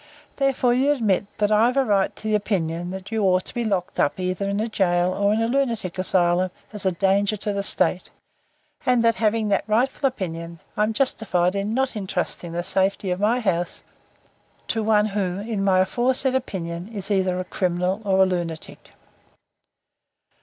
"Therefore you'll admit that I've a right to the opinion that you ought to be locked up either in a gaol or a lunatic asylum as a danger to the state, and that, having that rightful opinion, I'm justified in not entrusting the safety of my house to one who, in my aforesaid opinion, is either a criminal or a lunatic."